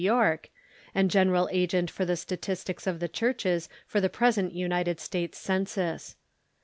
York, and General Agent for the Statistics of the Churches for the present United States Census.